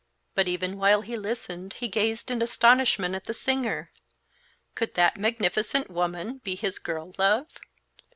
But even while he listened he gazed in astonishment at the singer; could that magnificent woman be his girl love?